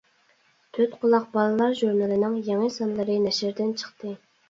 «تۆتقۇلاق بالىلار ژۇرنىلى»نىڭ يېڭى سانلىرى نەشردىن چىقتى.